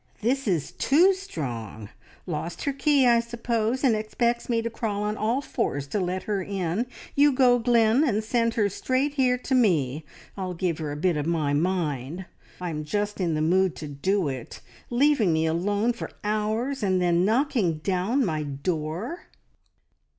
"This is too strong! Lost her key, I suppose, and expects me to crawl on all fours to let her in. You go, Glynn, and send her straight here to me! I'll give her a bit of my mind. I'm just in the mood to do it. Leaving me alone for hours and then knocking down my door